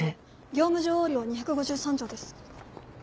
業務上横領は２５３条です。